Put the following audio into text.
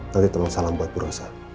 nanti teman salam buat bu rosa